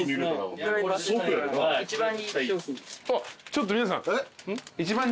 ちょっと皆さん。